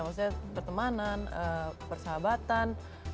maksudnya pertemanan persahabatan